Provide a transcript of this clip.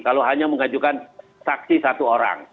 kalau hanya mengajukan saksi satu orang